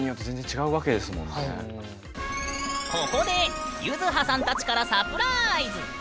ここでゆずはさんたちからサプラーイズ！